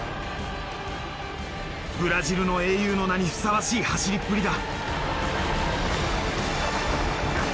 ブラジルの英雄の名にふさわしい走りっぷりだ。